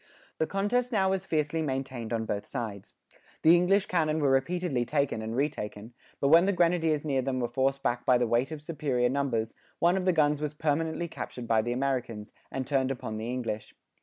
The contest now was fiercely maintained on both sides. The English cannon were repeatedly taken and retaken; but when the grenadiers near them were forced back by the weight of superior numbers, one of the guns was permanently captured by the Americans, and turned upon the English.